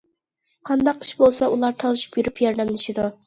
قانداق ئىش بولسا ئۇلار تالىشىپ يۈرۈپ ياردەملىشىدۇ.